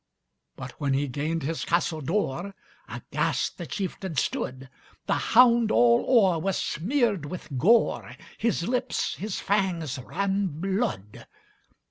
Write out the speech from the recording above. But, when he gained his castle door, Aghast the chieftain stood; The hound all o'er was smeared with gore, His lips, his fangs, ran blood.